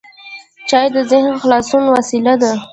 چای د ذهن د خلاصون وسیله ده.